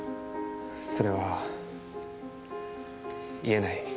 それは言えない。